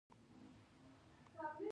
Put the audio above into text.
ګلداد او اکبر جان دواړه له انګړه ووتل.